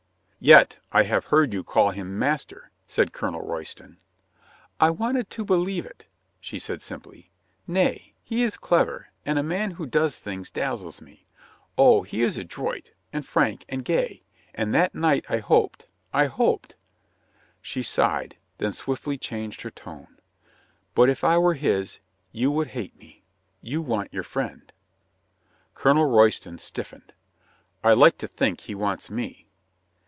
"Yet I have heard you call him master," said Colonel Royston. "I wanted to believe it," she said simply. "Nay, he is clever, and a man who does things dazzles me. Oh, he is adroit, and frank, and gay, and that night I hoped — I hoped —" She sighed, then swiftly changed her tone. "But if I were his, you would hate me. You want your friend." Colonel Royston stiffened. "I like to think he wants me."